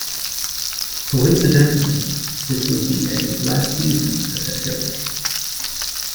Coincidentally, this would be Eddie's last season as head coach.